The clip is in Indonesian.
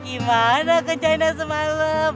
gimana ke china semalam